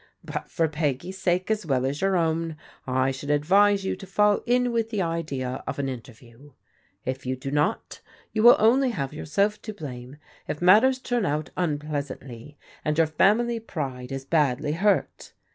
But for Peggy's sake, as well as your own, I should advise you to fall in with the idea of an interview. If you do not, you will only have yourself to blame if matters turn out unpleasantly, and your family pride is badly hurt.